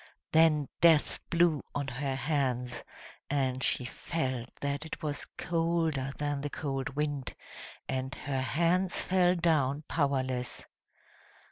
Then Death blew on her hands, and she felt that it was colder than the cold wind, and her hands fell down powerless.